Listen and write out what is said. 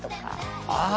あ！